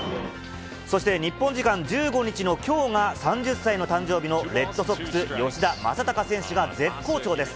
そして日本時間１５日のきょうが３０歳の誕生日のレッドソックス、吉田正尚選手が絶好調です。